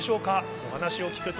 お話を聞くと。